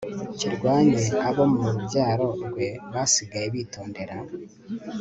kirwanye abo mu rubyaro rwe basigaye bitondera